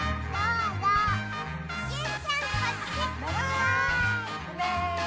うめ？